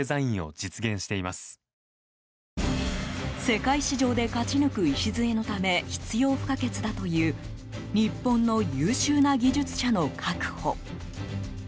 世界市場で勝ち抜く礎のため必要不可欠だという日本の優秀な技術者の確保。